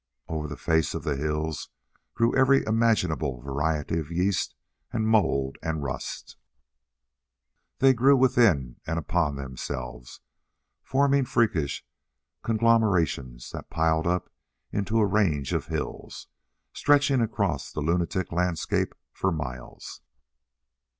Over the face of the hills grew every imaginable variety of yeast and mould and rust. They grew within and upon themselves, forming freakish conglomerations that piled up into a range of hills, stretching across the lunatic landscape for miles.